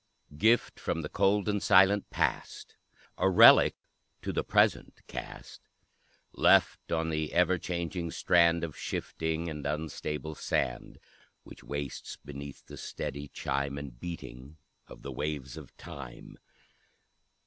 ] Gift from the cold and silent Past! A relic to the present cast; Left on the ever changing strand Of shifting and unstable sand, Which wastes beneath the steady chime And beating of the waves of Time!